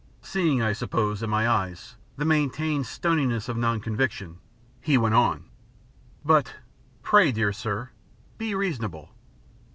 Seeing, I suppose, in my eyes, the maintained stoniness of non conviction, he went on, "But, my dear sir, be reasonable."